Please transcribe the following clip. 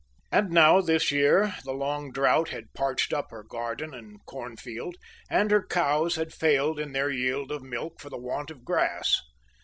And now this year the long drought had parched up her garden and corn field, and her cows had failed in their yield of milk for the want of grass.